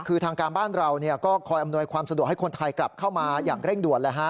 คือทางการบ้านเราก็คอยอำนวยความสะดวกให้คนไทยกลับเข้ามาอย่างเร่งด่วน